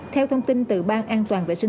theo thông tin từ ban an toàn vệ sinh